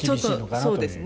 そうですね。